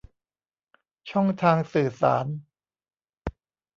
ช่องทางสื่อสาร